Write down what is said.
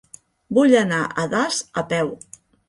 Vull anar a Das a peu.